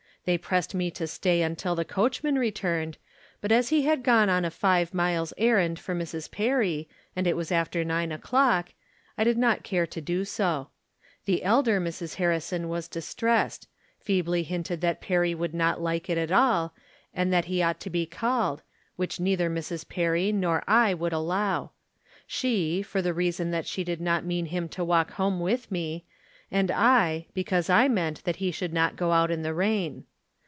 They pressed me to stay until the coachman returned, but as he had gone on a five miles' errand for Mrs. Perry, and it was after nine o'clock, I did not care to do 100 From Different Standpoints. 107 so. The elder Mrs. Harrison was ■ distressed ; feebly Mnted that Perry would not like it at all, and that he ought to be called, which neither Mrs. Perry nor I would allow ; she, for the rea son that she did not mean him to walk home with me, and I, because I meant that he should not go out in the rain.